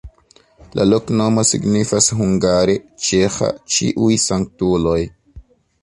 La loknomo signifas hungare: "ĉeĥa-ĉiuj-sanktuloj".